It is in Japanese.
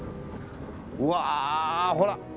うわほら！